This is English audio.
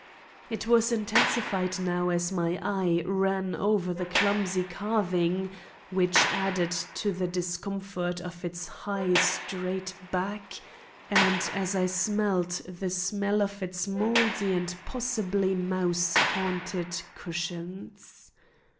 It was intensified now as my eye ran over the clumsy carving which added to the discomfort of its high straight back and as I smelt the smell of its moldy and possibly mouse haunted cushions.